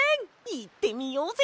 いってみようぜ！